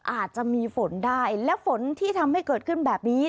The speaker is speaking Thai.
อาจจะมีฝนได้และฝนที่ทำให้เกิดขึ้นแบบนี้